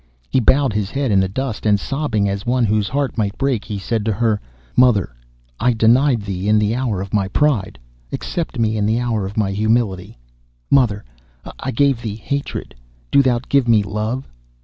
He bowed his head in the dust, and sobbing, as one whose heart might break, he said to her: 'Mother, I denied thee in the hour of my pride. Accept me in the hour of my humility. Mother, I gave thee hatred. Do thou give me love.